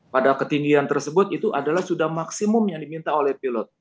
pada ketinggian tersebut itu adalah sudah maksimum yang diminta oleh pilot